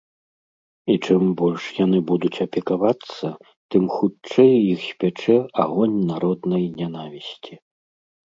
І чым больш яны будуць апекавацца, тым хутчэй іх спячэ агонь народнай нянавісці.